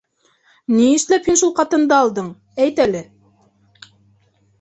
Ни эшләп һин шул ҡатынды алдың, әйт әле?